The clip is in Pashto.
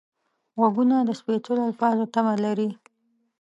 غوږونه د سپېڅلو الفاظو تمه لري